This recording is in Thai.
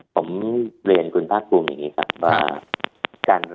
ผมเรียนคุณพระคุมอย่างงี้ครับว่า